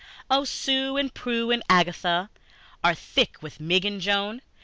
Oh, Sue and Prue and Agatha Are thick with Mig and Joan!